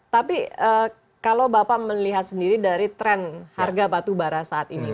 tapi kalau bapak melihat sendiri dari tren harga batubara saat ini